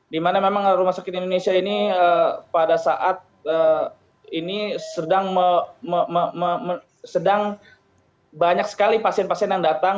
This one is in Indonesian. dimana memang rumah sakit indonesia ini pada saat ini sedang banyak sekali pasien pasien yang datang